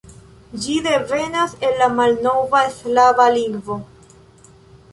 Ĝi devenas el la malnova slava lingvo.